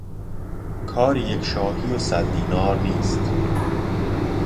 کار یک شاهی و صد دینار نیست.